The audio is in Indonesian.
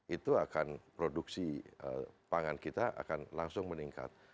itu akan produksi pangan kita akan langsung meningkat